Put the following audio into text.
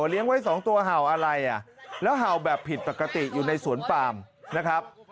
เลี้ยงไว้๒ตัวเห่าอะไรอ่ะแล้วเห่าแบบผิดปกติอยู่ในสวนปามนะครับ